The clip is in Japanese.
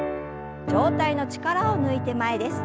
上体の力を抜いて前です。